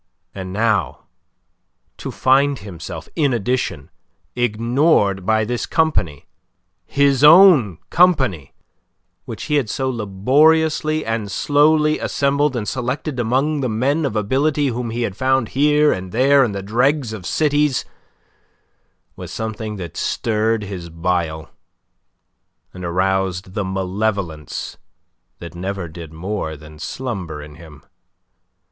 And now, to find himself, in addition, ignored by this company his own company, which he had so laboriously and slowly assembled and selected among the men of ability whom he had found here and there in the dregs of cities was something that stirred his bile, and aroused the malevolence that never did more than slumber in him.